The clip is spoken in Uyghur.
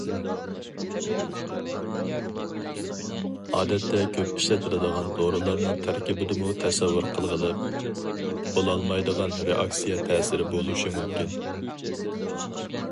ئادەتتە كۆپ ئىشلىتىلىدىغان دورىلارنىڭ تەركىبىدىمۇ تەسەۋۋۇر قىلغىلى بولالمايدىغان رېئاكسىيە تەسىرى بولۇشى مۇمكىن.